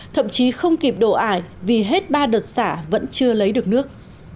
thậm chí không kịp đổ ải vì hết ba đợt xả vẫn chưa lấy được nước